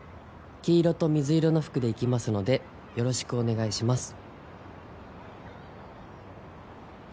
黄色と水色の服で行きますのでよろしくお願いします」。